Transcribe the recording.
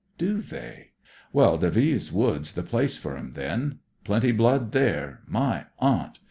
" Do they ? Well, DelviUe Wood's the place for 'em, then. Plenty blood there— my aunt